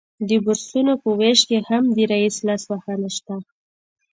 د بورسونو په ویش کې هم د رییس لاسوهنه شته